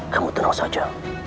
kamu tenang saja